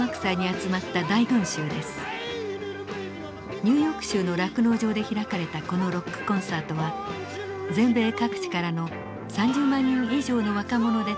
ニューヨーク州の酪農場で開かれたこのロックコンサートは全米各地からの３０万人以上の若者で膨れ上がりました。